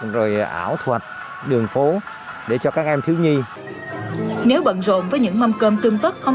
rồi ảo thuật đường phố để cho các em thiếu nhi nếu bận rộn với những mâm cơm tương tất không